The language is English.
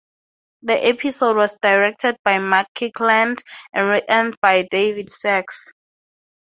The episode was directed by Mark Kirkland, and written by David Sacks.